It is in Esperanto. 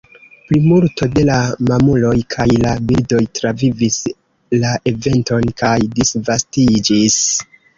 Plimulto de la mamuloj kaj la birdoj travivis la eventon kaj disvastiĝis.